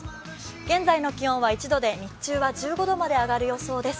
現在の気温は１度で日中は１５度まで上がる予想です。